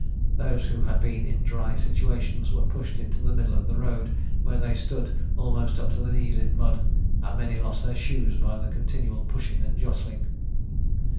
Those who had been in dry situations were pushed into the middle of the road, where they stood almost up to the knees in mud, and many lost their shoes by the continual pushing and jostling.